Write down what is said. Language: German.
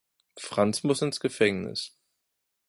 Franz muss ins Gefängnis.